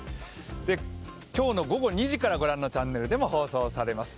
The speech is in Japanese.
今日の午後２時からご覧のチャンネルでも放送されます。